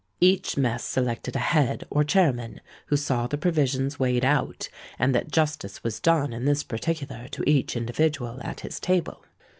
Each mess selected a head, or chairman, who saw the provisions weighed out, and that justice was done in this particular to each individual at his table.